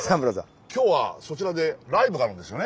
今日はそちらでライブがあるんですよね。